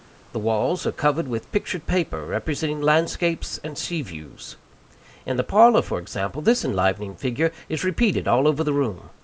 The walls are covered with pictured paper, representing landscapes and sea views. In the parlor, for example, this enlivening figure is repeated all over the room.